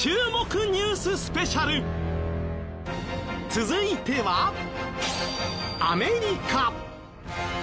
続いてはアメリカ。